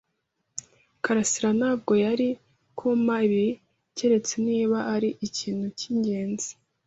karasira ntabwo yari kumpa ibi keretse niba ari ikintu cyingenzi.